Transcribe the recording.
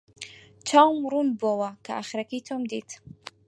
چاوم ڕوون بووەوە کە ئاخرەکەی تۆم دیت.